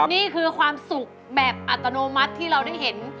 นี่คือความสุขแบบอัตโนมัติที่เราได้เห็น